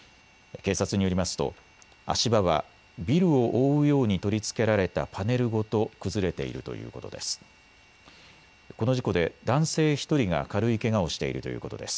警察によりますと足場はビルを覆うように取り付けられたパネルごと崩れているということです。